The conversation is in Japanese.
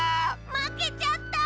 まけちゃった！